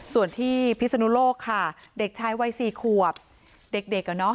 ส่วนที่พิศนุโลกค่ะเด็กชายวัย๔ขวบเด็กอ่ะเนอะ